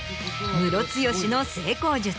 ムロツヨシの成功術。